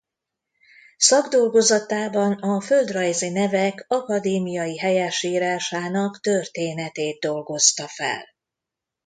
Szakdolgozatában a földrajzi nevek akadémiai helyesírásának történetét dolgozta fel.